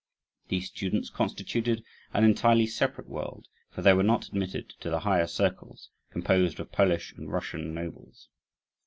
These students constituted an entirely separate world, for they were not admitted to the higher circles, composed of Polish and Russian nobles.